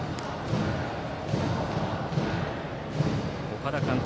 多田監督